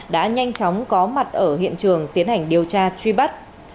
đã nhanh chóng có mặt ở hiện trường tiến hành điều tra truy bắt